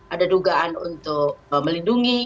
ada dugaan untuk melindungi